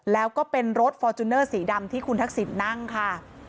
แล้วก็เป็นรถฟอร์จูเนอร์สีดำที่คุณทักษิณนั่งค่ะ